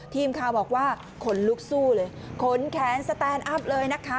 ทีมข่าวบอกว่าขนลุกสู้เลยขนแขนสแตนอัพเลยนะคะ